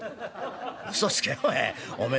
うそつけおめえ。